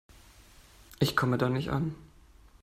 Ich komme da nicht an.